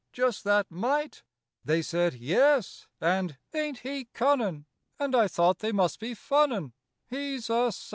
Just that mite!" They said, "Yes," and, "Ain't he cunnin'?" And I thought they must be funnin', He's a _sight!